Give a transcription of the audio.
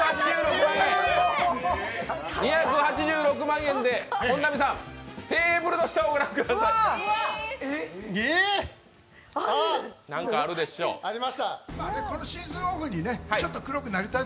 ２８６万円で、本並さん、テーブルの下、ご覧ください！ありました。